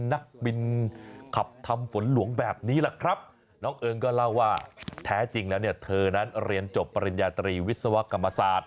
นักบินขับทำฝนหลวงแบบนี้แหละครับน้องเอิงก็เล่าว่าแท้จริงแล้วเนี่ยเธอนั้นเรียนจบปริญญาตรีวิศวกรรมศาสตร์